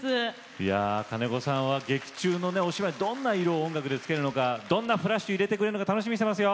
いや金子さんは劇中のお芝居どんな色を音楽でつけるのかどんなフラッシュ入れてくれるのか楽しみにしてますよ！